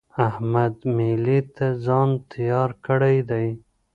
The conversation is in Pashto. احمد مېلې ته ځان تيار کړی دی.